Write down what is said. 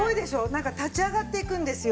なんか立ち上がっていくんですよ。